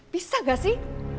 bisa gak sih